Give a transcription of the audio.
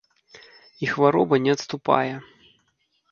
І хвароба не адступае.